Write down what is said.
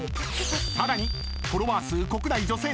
［さらにフォロワー数国内女性